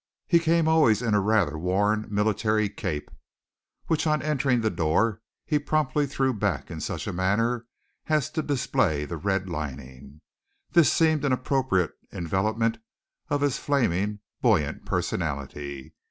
He came always in a rather worn military cape, which on entering the door he promptly threw back in such a manner as to display the red lining. This seemed an appropriate envelopment of his flaming, buoyant personality.